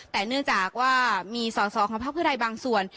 แต่เนื่องจากว่ามีสอสอของภาคเพื่อไทยบางส่วน